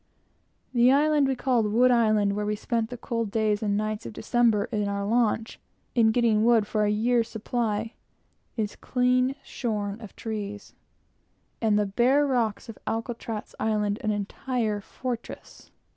The island we called "Wood Island," where we spent the cold days and nights of December, in our launch, getting wood for our year's supply, is clean shorn of trees; and the bare rocks of Alcatraz Island, an entire fortress.